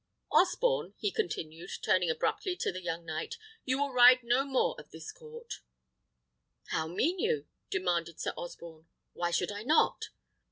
Osborne," he continued, turning abruptly to the young knight, "you will ride no more at this court." "How mean you?" demanded Sir Osborne: "why should I not?"